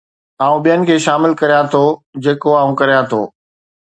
آئون ٻين کي شامل ڪريان ٿو جيڪو آئون ڪريان ٿو